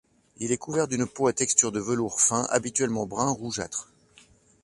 Il est couvert d'une peau à texture de velours fin, habituellement brun rougeâtre.